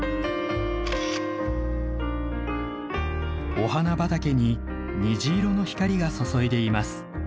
お花畑に虹色の光が注いでいます。